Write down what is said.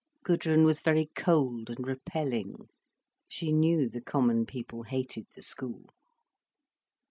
Gudrun was very cold and repelling. She knew the common people hated the school.